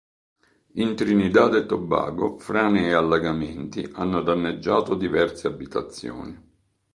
In Trinidad e Tobago frane e allagamenti hanno danneggiato diverse abitazioni.